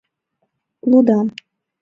Лудам: